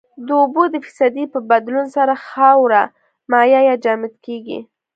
د اوبو د فیصدي په بدلون سره خاوره مایع یا جامد کیږي